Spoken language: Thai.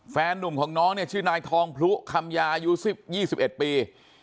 แฟนหนุ่มของน้องเนี่ยชื่อนายทองพลุคำยายูสิบยี่สิบเอ็ดปี